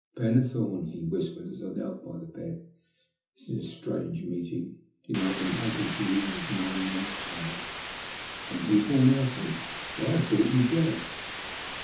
*' Pennethome/' he whispered, as I knelt by the bed, " this is a strange meeting. Do you know I've been hunting for you these nine months past ?" "Hunting for me?" I said. "Why, I thought you dead